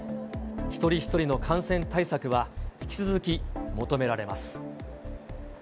一人一人の感染対策は引き続き求められます。